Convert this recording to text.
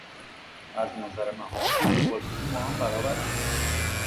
از نظر مهارت این دو بازیکن با هم برابرند.